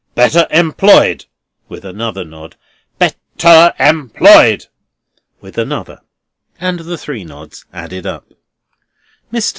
"Better employed," with another nod. "Bet ter em ployed!" with another and the three nods added up. Mr.